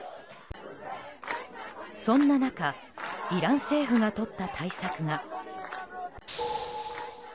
そんな中イラン政府がとった対策が。